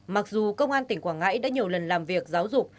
mặc dù công an tỉnh quảng ngãi đã nhiều lần làm việc giáo dục